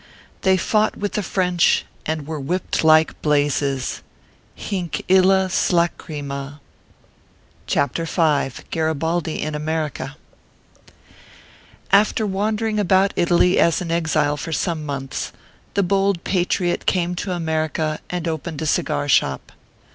They fought with the French, and were whipped like blazes. Hinc ilia slacryma ! ORPHEUS C. KERR PAPERS. 301 CHAPTER V. GARIBALDI IN AMERICA. After wandering about Italy as an exile for some months, the bold patriot came to America and opened a cigar shop.